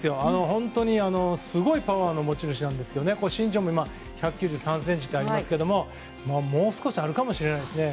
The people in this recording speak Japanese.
本当にすごいパワーの持ち主なんですけど身長も１９３ｃｍとありますがもう少しあるかもしれないですね。